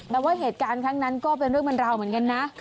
แต่ว่าเหตุการณ์ครั้งนั้นก็เป็นเรื่องเป็นราวเหมือนกันนะ